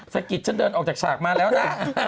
สะกิดฉันเดินออกจากฉากมาแล้วนะ